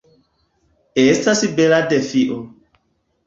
Estas bela defio.